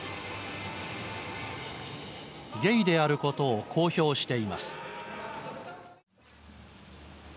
ゲイであることを公表しています。